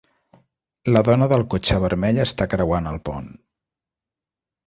La dona del cotxe vermell està creuant el pont.